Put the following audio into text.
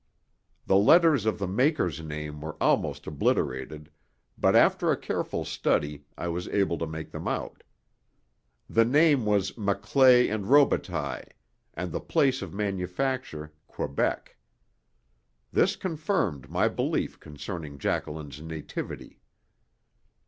The letters of the maker's name were almost obliterated, but after a careful study I was able to make them out. The name was Maclay & Robitaille, and the place of manufacture Quebec. This confirmed my belief concerning Jacqueline's nativity.